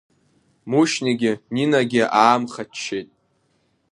Мушьнигьы Нинагьы аамхаччеит.